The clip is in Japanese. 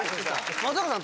松岡さん。